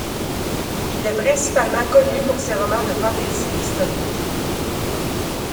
Il est principalement connu pour ses romans de fantasy historique.